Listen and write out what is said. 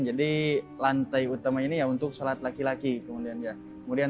jadi lantai utama ini ya untuk sholat laki laki kemudian ya